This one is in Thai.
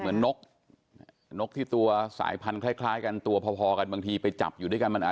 นกนกที่ตัวสายพันธุ์คล้ายกันตัวพอกันบางทีไปจับอยู่ด้วยกันมันอา